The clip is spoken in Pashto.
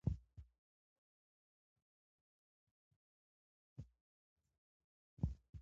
طبیعت د ژوند د رنګینۍ او د خدای د بې ساري رحمت مظهر دی.